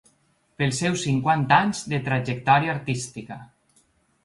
Pels seus cinquanta anys de trajectòria artística.